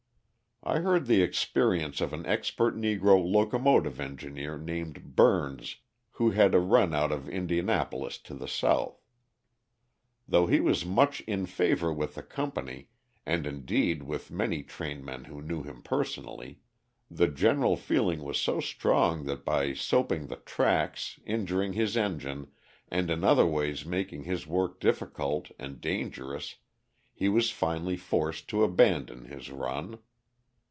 I heard the experiences of an expert Negro locomotive engineer named Burns who had a run out of Indianapolis to the South. Though he was much in favour with the company, and indeed with many trainmen who knew him personally, the general feeling was so strong that by soaping the tracks, injuring his engine, and in other ways making his work difficult and dangerous, he was finally forced to abandon his run.